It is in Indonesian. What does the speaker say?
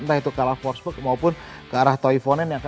entah itu kalah forsberg maupun ke arah toivonen